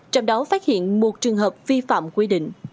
trong đó phát hiện một trường hợp vi phạm quy định